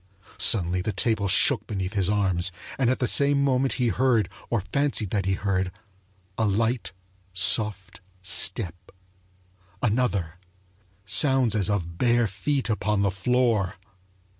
Suddenly the table shook beneath his arms, and at the same moment he heard, or fancied that he heard, a light, soft step another sounds as of bare feet upon the floor!